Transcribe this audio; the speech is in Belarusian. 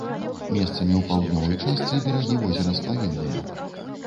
Месцамі ў паўднёвай частцы берагі возера сплавінныя.